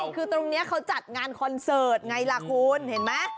คือตรงนี้เขาจัดงานคอนเสิร์ตไงล่ะคุณเห็นไหม